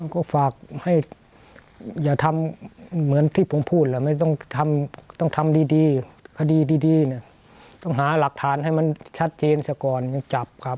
ก็ฝากให้อย่าทำเหมือนที่ผมพูดแหละไม่ต้องทำต้องทำดีคดีดีเนี่ยต้องหาหลักฐานให้มันชัดเจนก่อนจับครับ